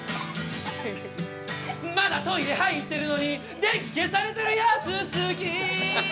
まだトイレ入ってるのに電気消されてるやつ好き